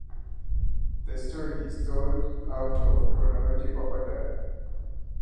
The story is told out of chronological order.